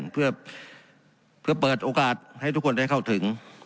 เพื่อเปิดโอกาสให้ทุกคนได้เข้าถึง